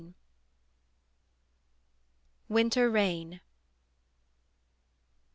WINTER RAIN.